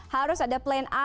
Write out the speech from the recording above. harus ada plan a